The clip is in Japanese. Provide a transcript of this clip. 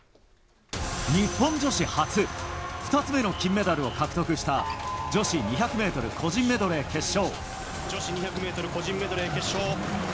日本女子初２つ目の金メダルを獲得した女子２００ｍ個人メドレー決勝。